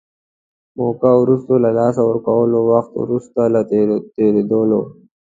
موقعه وروسته له لاسه ورکولو، وخت وروسته له تېرېدلو.